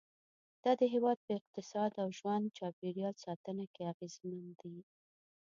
دا د هېواد په اقتصاد او د ژوند چاپېریال ساتنه کې اغیزمن دي.